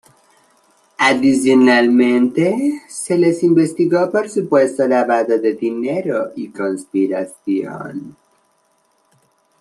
Adicionalmente, se les investigó por supuesto lavado de dinero y conspiración.